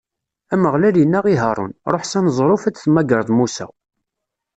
Ameɣlal inna i Haṛun: Ṛuḥ s aneẓruf ad temmagreḍ Musa.